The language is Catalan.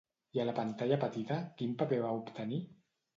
I a la pantalla petita, quin paper va obtenir?